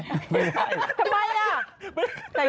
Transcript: ทำไมอ่ะ